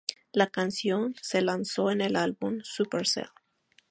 La canción se lanzó en el álbum Supercell.